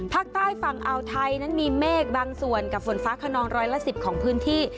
ภาคใต้ฝั่งอ่าวไทยนั้นมีเมฆบางส่วนกับฝนฟ้าขนองร้อยละ๑๐ของพื้นที่